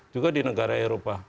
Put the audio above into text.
juga di negara eropa